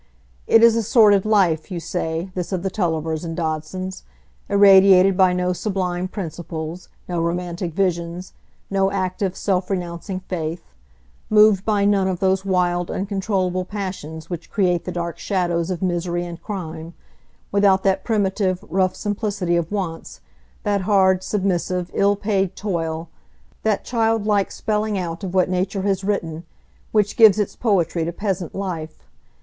It is a sordid life, you say, this of the Tullivers and Dodsons, irradiated by no sublime principles, no romantic visions, no active, self renouncing faith; moved by none of those wild, uncontrollable passions which create the dark shadows of misery and crime; without that primitive, rough simplicity of wants, that hard, submissive, ill paid toil, that childlike spelling out of what nature has written, which gives its poetry to peasant life.